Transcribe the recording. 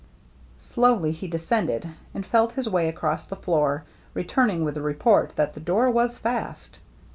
Slowly he descended, and felt his way across the floor, returning with the report that the door was fast.